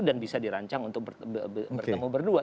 dan bisa dirancang untuk bertemu berdua